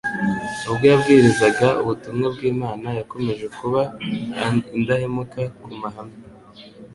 ubwo yabwirizaga ubutumwa bw'Imana. Yakomeje kuba indahemuka ku mahame,